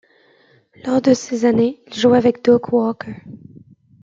Lors de ces années, il joue avec Doak Walker.